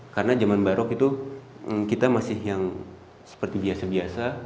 karena zaman barok itu kita masih yang seperti biasa biasa